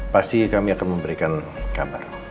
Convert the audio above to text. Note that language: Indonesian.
pasti kami akan memberikan kabar